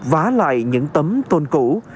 vá lại những tấm tôn cũ